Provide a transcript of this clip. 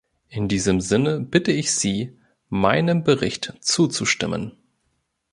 In diesem Sinne bitte ich Sie, meinem Bericht zuzustimmen.